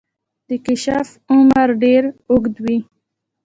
د کیشپ عمر ډیر اوږد وي